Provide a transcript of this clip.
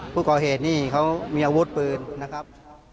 ผู้ก่อเหตุนี่เขามีอาวุธปืนนะครับ